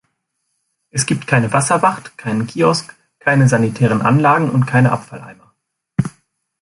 Es gibt keine Wasserwacht, keinen Kiosk, keine sanitären Anlagen und keine Abfalleimer.